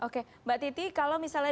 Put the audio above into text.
oke mbak titi kalau misalnya